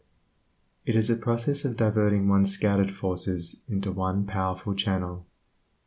It is a process of diverting one's scattered forces into one powerful channel.